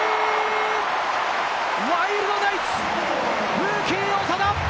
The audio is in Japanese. ワイルドナイツ、ルーキー・長田！